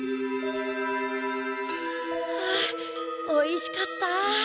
ああおいしかった。